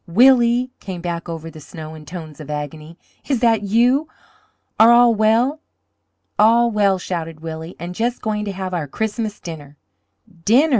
"Willie!" came back over the snow in tones of agony. "Is that you? Are all well?" "All well!" shouted Willie, "and just going to have our Christmas dinner." "Dinner?"